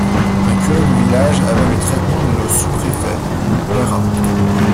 Un curé de village avait le traitement de nos sous-préfets (Peyrat).